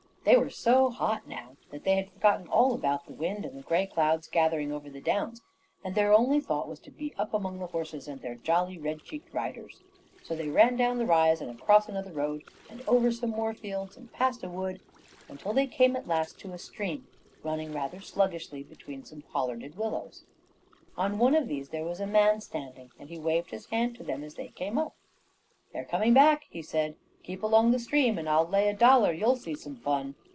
They were so hot now that they had forgotten all about the wind and the grey clouds gathering over the downs, and their only thought was to be up among the horses and their jolly, red cheeked riders. So they ran down the rise and across another road and over some more fields and past a wood, until they came at last to a stream, running rather sluggishly between some pollarded willows. On one of these there was a man standing, and he waved his hand to them as they came up. "They're coming back," he said. "Keep along the stream, and I'll lay a dollar you'll see some fun."